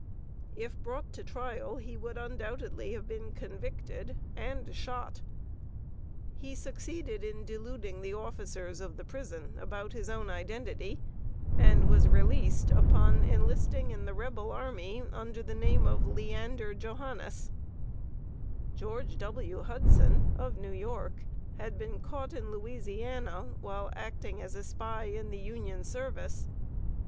If brought to trial, he would undoubtedly have been convicted and shot. He succeeded in deluding the officers of the prison about his own identity, and was released upon enlisting in the Rebel army, under the name of Leander Johannes. [Sidenote: ESCAPE BY FORGING A RELEASE.] George W. Hudson, of New York, had been caught in Louisiana, while acting as a spy in the Union service.